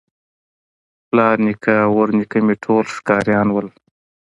پلار نیکه او ورنیکه مي ټول ښکاریان وه